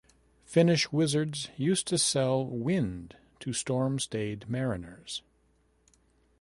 Finnish wizards used to sell wind to storm-stayed mariners.